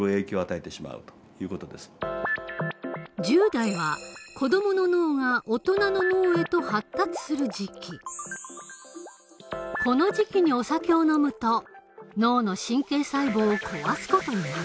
１０代は子どもの脳が大人の脳へとこの時期にお酒を飲むと脳の神経細胞を壊す事になる。